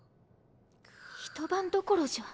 ひと晩どころじゃ。